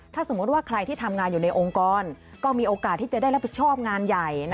ถ้าสมมุติว่าใครที่ทำงานอยู่ในองค์กรก็มีโอกาสที่จะได้รับผิดชอบงานใหญ่